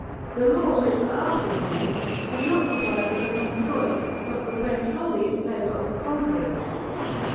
The laws which were afterward made, did not provide for the common good, but were framed wholly in favor of the conquerors.